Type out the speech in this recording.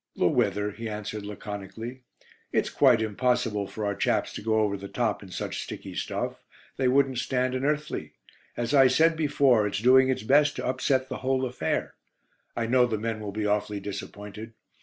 "The weather," he answered laconically. "It's quite impossible for our chaps to go over the top in such sticky stuff. They wouldn't stand an earthly. As I said before, it's doing its best to upset the whole affair. I know the men will be awfully disappointed.